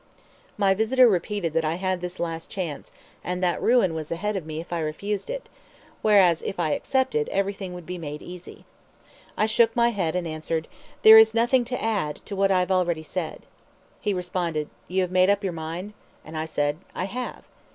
My visitor repeated that I had this last chance, and that ruin was ahead of me if I refused it; whereas, if I accepted, everything would be made easy. I shook my head and answered, "There is nothing to add to what I have already said." He responded, "You have made up your mind?" and I said, "I have."